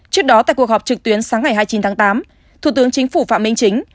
trước đó tại cuộc họp trực tuyến sáng ngày hai mươi chín tháng tám thủ tướng chính phủ phạm minh chính